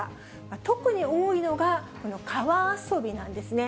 特に多いのが、この川遊びなんですね。